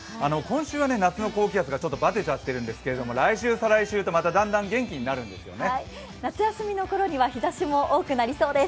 今週は夏の高気圧がちょっとばてちゃっているんですけど来週、再来週とまただんだん元気になるんですよね。